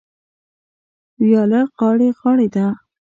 وياله غاړې غاړې ده.